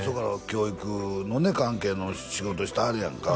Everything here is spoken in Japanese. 教育のね関係の仕事してはるやんか